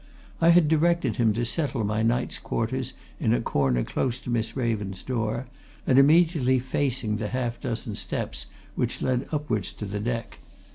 I had directed him to settle my night's quarters in a corner close to Miss Raven's door, and immediately facing the half dozen steps which led upwards to the deck.